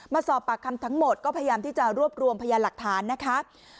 มาสอบปากคำทั้งหมดก็พยายามที่จะรวบรวมพยานหลักฐานนะคะ